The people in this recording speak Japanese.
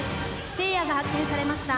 せいやが発見されました。